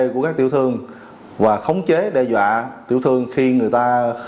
của các tiểu thương và khống chế đe dọa tiểu thương khi người ta